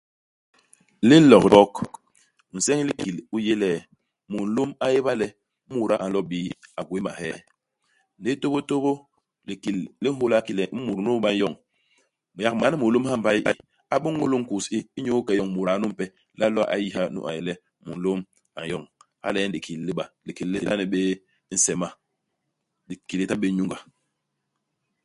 Ililok li Mbog, nseñ u likil u yé le, mulôm a éba le imuda a nlo ibii a gwéé mahee. Ndi tôbôtôbô, likil li nhôla ki le imut nu ba n'yoñ, yak man mulôm ha i mbay i, a bôñôl inkus u, inyu ike iyoñ muda numpe, le a lo'o a yiha nu a yé le mulôm a n'yoñ. Hala nyen likil li ba, likil li ta ni bé nsema ; likil li ta bé nyunga.